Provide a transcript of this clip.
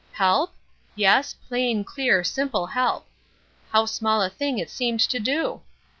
Help? Yes, plain, clear, simple help. How small a thing it seemed to do!